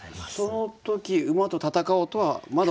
その時馬と戦おうとはまだ思わない？